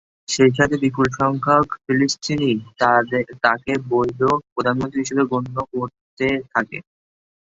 সেসাথে বিপুল সংখ্যক ফিলিস্তিনি তাকে বৈধ প্রধানমন্ত্রী হিসেবে গণ্য করতে থাকে।